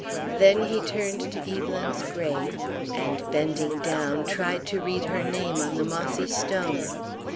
Then he turned to Evelyn's grave, and bending down, tried to read her name on the mossy stone.